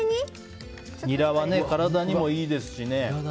ニラは体にもいいですしね。